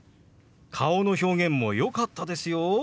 顔の表現もよかったですよ。